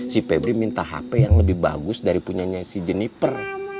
si pebri minta hp yang lebih bagus dari punya si jenniper